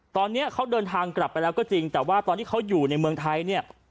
ตอนนี้เขาเดินทางกลับไปแล้วก็จริงแต่ว่าตอนที่เขาอยู่ในเมืองไทยเนี่ย